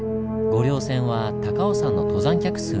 御陵線は高尾山の登山客数